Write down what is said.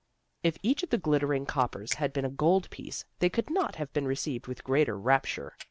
If each of the glittering coppers had been a gold piece they could not have been received with greater rapture.